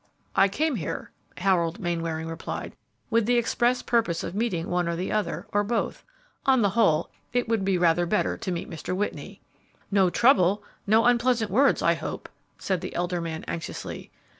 "I came here," Harold Mainwaring replied, "with the express purpose of meeting one or the other, or both; on the whole, it will be rather better to meet Mr. Whitney." "No trouble, no unpleasant words, I hope?" said the elder man, anxiously.